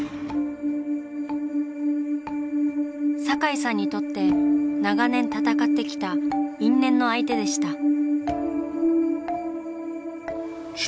堺さんにとって長年闘ってきた因縁の相手でした。